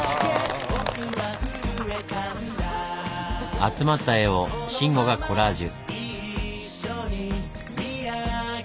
集まった絵を慎吾がコラージュ。